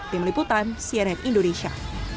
tim liputan cnn indonesia